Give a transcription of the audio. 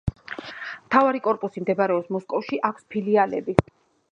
მთავარი კორპუსი მდებარეობს მოსკოვში; აქვს ფილიალები.